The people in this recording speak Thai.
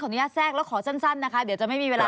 อนุญาตแทรกแล้วขอสั้นนะคะเดี๋ยวจะไม่มีเวลา